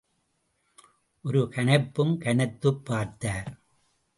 ஒரு கனைப்பும் கனைத்துப் பார்த்தார்.